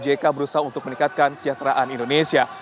jk berusaha untuk meningkatkan kesejahteraan indonesia